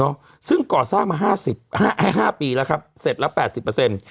เนาะซึ่งก่อสร้างมาห้าสิบห้า๕ปีแล้วครับเสร็จละ๘๐เปอร์เซ็นต์